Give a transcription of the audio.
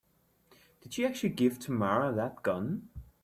Did you actually give Tamara that gun?